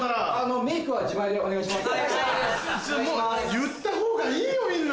言ったほうがいいよみんな。